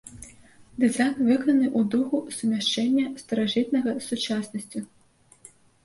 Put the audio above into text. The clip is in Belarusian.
Дызайн выкананы ў духу сумяшчэння старажытнага з сучаснасцю.